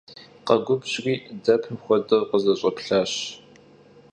Khegubjri, depım xuedeu khızeş'eplhaş.